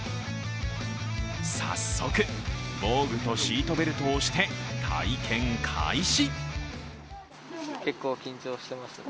早速、防具とシートベルトをして体験開始。